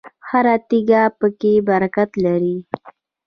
هره تیږه پکې برکت لري.